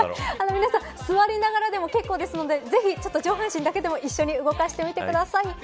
皆さん座りながらでも結構なんで上半身だけでも動かしてみてください。